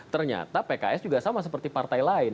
ternyata pks juga sama seperti partai lain